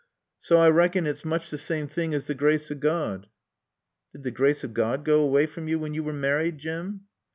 Saw I raakon 't is mooch t' saame thing as t' graace o' Gawd." "Did the grace of God go away from you when you married, Jim?"